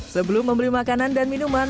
sebelum membeli makanan dan minuman